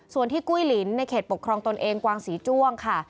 ส่วนที่กุ้ยลินในเขตปกครองตนเองกวางศรีจ้วงค่ะ